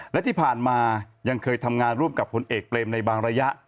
และที่ผ่านมายังเคยทำงานร่วมกับผลเอกเปรมในบางระยะ